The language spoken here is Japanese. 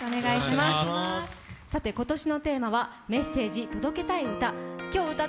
今年のテーマは「メッセージ届けたい歌」。